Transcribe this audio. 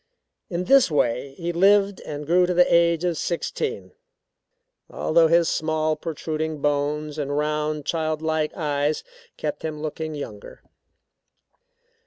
In this way he lived and grew to the age of sixteen, although his small, protruding bones and round, child like eyes kept him looking younger.